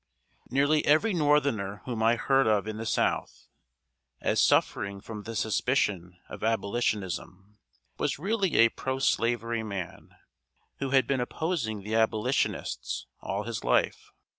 ] Nearly every northerner whom I heard of in the South, as suffering from the suspicion of Abolitionism, was really a pro slavery man, who had been opposing the Abolitionists all his life.